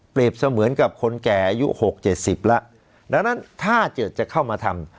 เสมือนกับคนแก่อายุหกเจ็ดสิบแล้วดังนั้นถ้าเกิดจะเข้ามาทำ